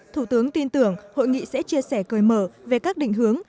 thủ tướng tin tưởng hội nghị sẽ chia sẻ cởi mở về các định hướng